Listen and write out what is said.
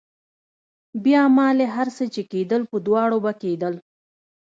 بيا مالې هر څه چې کېدل په دواړو به کېدل.